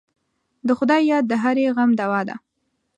د خدای یاد د هرې غم دوا ده.